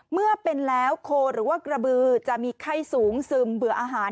เมื่อเป็นแล้วโคหรือว่ากระบือจะมีไข้สูงซึมเบื่ออาหาร